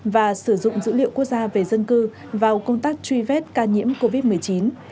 và sử dụng dữ liệu quốc gia về dân cư vào công tác truy vết ca nhiễm covid một mươi chín